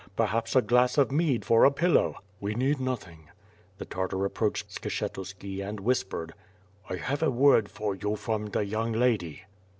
Perhaps a glass of mead for a pillow!" "We need nothing." The Tartar approached Skshetuski and whispered: "I have a word for you from the young lady."